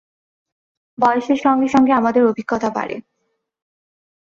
বয়সের সঙ্গে সঙ্গে আমাদের অভিজ্ঞতা বাড়ে।